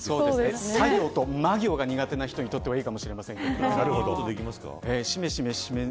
サ行とマ行が苦手な人にとってはいいかもしれません。